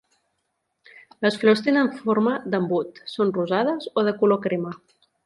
Les flors tenen forma d'embut, són rosades o de color crema.